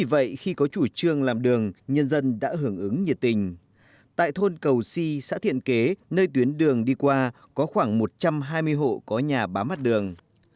đây là chủ trương đáp ứng nguyện vọng của nhân dân ủy ban nhân dân huy động sức dân và doanh nghiệp trên địa bàn để làm đường